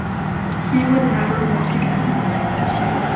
He would never walk again.